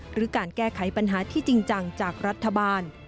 หรือการแก้ไขปัญหาที่จริงจังจากรัฐบาล